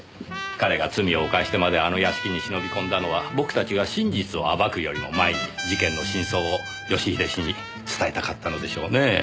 彼が罪を犯してまであの屋敷に忍び込んだのは僕たちが真実を暴くよりも前に事件の真相を義英氏に伝えたかったのでしょうねえ。